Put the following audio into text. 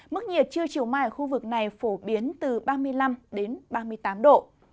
mức nhiệt chưa chiều mai ở khu vực này phổ biến từ ba mươi năm đến ba mươi tám độ